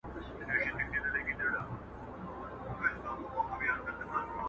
بحثونه بيا بيا تکرارېږي تل،